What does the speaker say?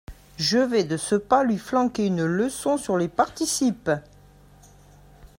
Je vais de ce pas lui flanquer une leçon sur les participes !